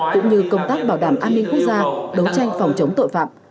cũng như công tác bảo đảm an ninh quốc gia đấu tranh phòng chống tội phạm